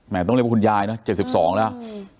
แหมต้องเรียกว่าคุณยายเนอะเจ็ดสิบสองแล้วอืม